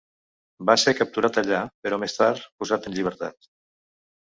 Va ser capturat allà, però més tard posat en llibertat.